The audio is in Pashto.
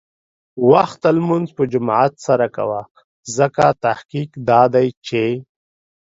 وخته لمونځ په جماعت سره کوه، ځکه تحقیق دا دی چې